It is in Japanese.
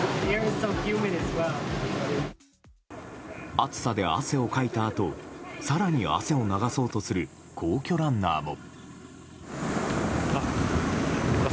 暑さで汗をかいたあと更に汗を流そうとする皇居ランナーも。